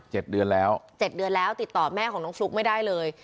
เดือนแล้วเจ็ดเดือนแล้วติดต่อแม่ของน้องฟลุ๊กไม่ได้เลย